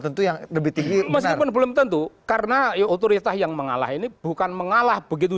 tentu yang lebih tinggi meskipun belum tentu karena otoritas yang mengalah ini bukan mengalah begitu